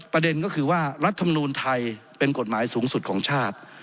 ประเด็นก็คือว่ารัฐมนูลไทยเป็นกฎหมายสูงสุดของชาติ